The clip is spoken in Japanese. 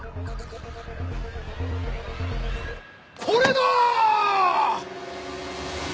これだ‼